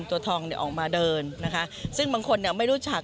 ตัวทองออกมาเดินซึ่งบางคนไม่รู้ฉัก